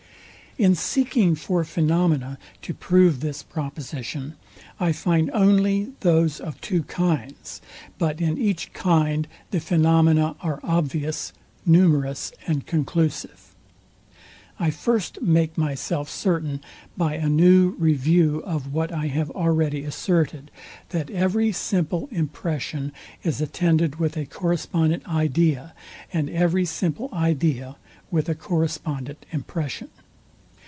In seeking for phenomena to prove this proposition, I find only those of two kinds; but in each kind the phenomena are obvious, numerous, and conclusive. I first make myself certain, by a new, review, of what I have already asserted, that every simple impression is attended with a correspondent idea, and every simple idea with a correspondent impression.